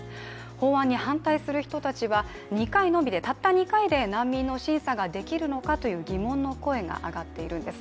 法案に反対する人たちはたった２回で難民の審査ができるのかという疑問の声が上がっているんです。